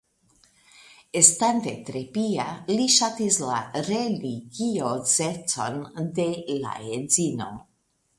Estante tre pia li ŝatis la religiozecon de la edzino.